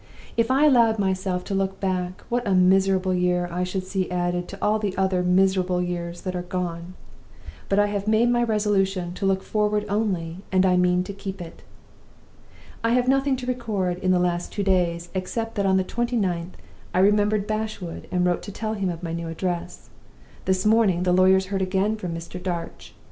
If I allowed myself to look back, what a miserable year I should see added to all the other miserable years that are gone! But I have made my resolution to look forward only, and I mean to keep it. "I have nothing to record of the last two days, except that on the twenty ninth I remembered Bashwood, and wrote to tell him of my new address. This morning the lawyers heard again from Mr. Darch.